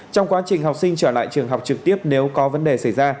trong quá trình học sinh trở lại trường học trực tiếp nếu có vấn đề xảy ra